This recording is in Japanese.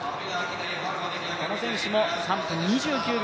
この選手も３分２９秒